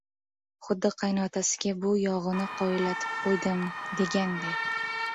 Xuddi qaynotasiga «bu yog‘ini qoyillatib qo‘ydim», deganday.